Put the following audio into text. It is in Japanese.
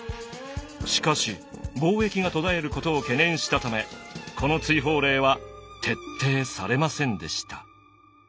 しかし貿易が途絶えることを懸念したためこの追放令は徹底されませんでした。